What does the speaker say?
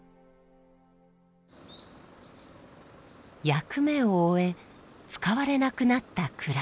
役目を終え使われなくなった蔵。